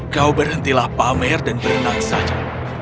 kau berhentilah pamer dan berenang saja